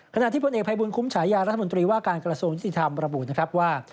ขณะที่พลเอกภัยบุญคุ้มฉายารัฐมนตรีว่าการกระทรวงยุติธรรมระบุนะครับว่า